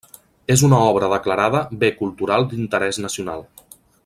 És una obra declarada Bé cultural d'interès nacional.